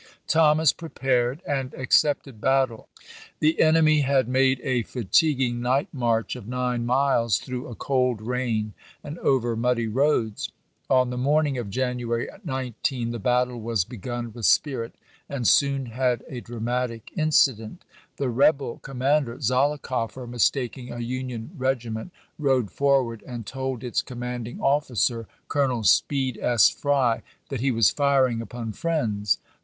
Thomas prepared, and accepted battle. The enemy had made a fatigulug night march of nine miles through a cold rain and over muddy roads. On the 18C2. morning of January 19 the battle was begun with spirit, and soon had a dramatic incident. The rebel commander, Zollicoffer, mistaking a Union regi ment, rode forward and told its commanding offi cer. Colonel Speed S. Frj^, that he was firing upon friends.